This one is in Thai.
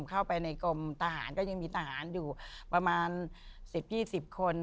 เข้าไปในกรมทหารก็ยังมีทหารอยู่ประมาณ๑๐๒๐คน